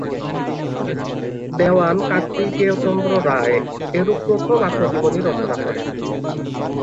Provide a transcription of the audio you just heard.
দেওয়ান কার্তিকেয়চন্দ্র রায় এরূপ প্রথম আত্মজীবনী রচনা করেন।